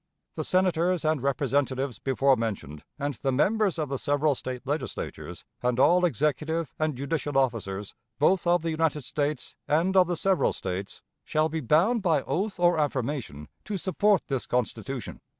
The Senators and Representatives before mentioned, and the members of the several State Legislatures, and all executive and judicial officers, both of the United States and of the several States, shall be bound by oath or affirmation to support this Constitution."